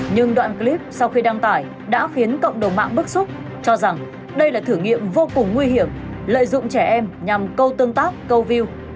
nhưng đoạn clip sau khi đăng tải đã khiến cộng đồng mạng bức xúc cho rằng đây là thử nghiệm vô cùng nguy hiểm lợi dụng trẻ em nhằm câu tương tác câu view